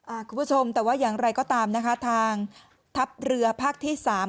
คุณผู้ชมแต่ว่าอย่างไรก็ตามนะคะทางทัพเรือภาคที่สาม